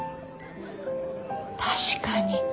確かに。